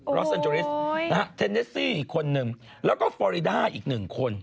โอ้โฮรัสเอนจุริสต์แทนเนสซี่อีกคนหนึ่งแล้วก็ฟอริดาอีกหนึ่งคน